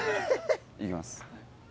いきます。